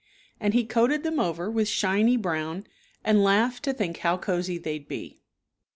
And he coated them over with shiny brown, and laughed to think how cosy they'd be.